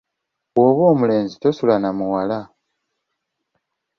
Bw’oba omulenzi tosula na muwala.